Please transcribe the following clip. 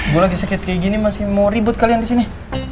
gue lagi sakit kayak gini masih mau ribut kalian di sini